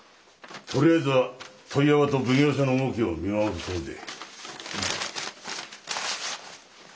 とりあえずは問屋場と奉行所の動きを見守るつもりで。